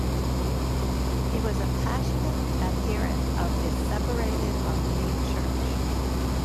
He was a passionate adherent of the separated Armenian Church.